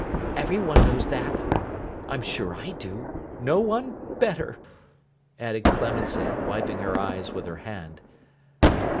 Every one knows that. I'm sure I do. No one better,' added Clemency, wiping her eyes with her hand.